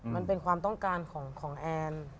มันเป็นความต้องการของแอน